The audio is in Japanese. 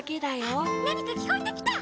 ・あっなにかきこえてきた！